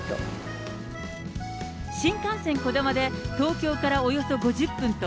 新幹線こだまで東京からおよそ５０分と、